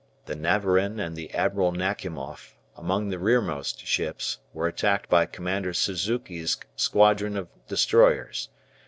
The "Navarin" and the "Admiral Nakhimoff," among the rearmost ships, were attacked by Commander Suzuki's squadron of destroyers.